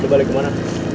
lu balik kemana